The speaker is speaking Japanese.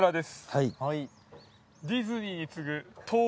はい。